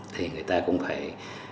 thì người ta cũng phải